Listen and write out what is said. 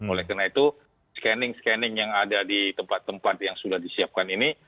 oleh karena itu scanning scanning yang ada di tempat tempat yang sudah disiapkan ini